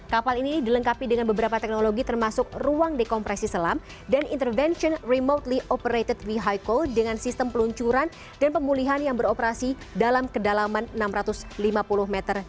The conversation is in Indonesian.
kapal ini dilengkapi dengan beberapa teknologi termasuk ruang dekompresi selam dan intervention remotely operated vehicle dengan sistem peluncuran dan pemulihan yang beroperasi dalam kedalaman enam ratus lima puluh meter